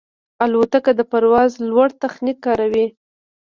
الوتکه د پرواز لوړ تخنیک کاروي.